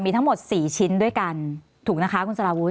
มีทั้งหมดสี่ชิ้นด้วยกันถูกนะคะคุณสลาวุธ